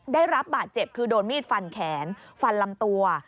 ได้รับบาดเจ็บคือโดนมีดฟันแขนฟันลำตัว